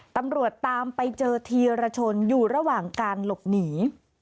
ตำรวจตามไปเจอธีรชนอยู่ระหว่างการหลบหนี